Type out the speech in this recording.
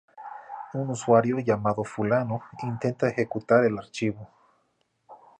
Un usuario llamado "fulano" intenta ejecutar el archivo.